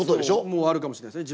もあるかもしれないですね。